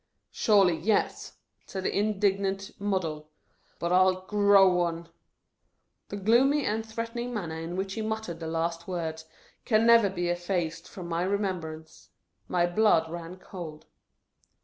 " Surely yes," said the indignant Model. " BTTT I 'LL GROW ONE." The gloomy and threatening manner in which lie muttered the last words, can never be effaced from my remembrance. My blood ran cold.